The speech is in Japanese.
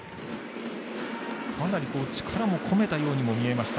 かなり力を込めたようにも見えました